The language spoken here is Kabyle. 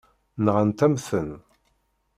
Nɣant-am-ten.